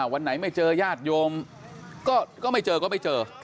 วันไหนไม่เจอญาติโยมก็ไม่เจอก็ไม่เจอ